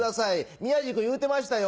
宮治君言うてましたよ